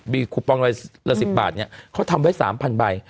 คูปองละ๑๐บาทเนี่ยเขาทำไว้๓๐๐ใบ